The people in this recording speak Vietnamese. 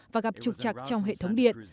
và gặp trục chặt trong hệ thống điện